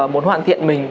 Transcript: muốn hoàn thiện mình